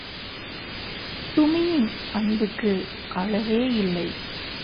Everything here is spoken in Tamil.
டுமியின் அன்புக்கு அளவேயில்லை.